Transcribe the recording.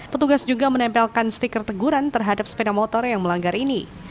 petugas juga menempelkan stiker teguran terhadap sepeda motor yang melanggar ini